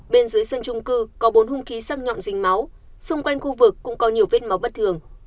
bên dưới sân trung cư có bốn hung khí sắc nhọn dình máu xung quanh khu vực cũng có nhiều vết máu bất thường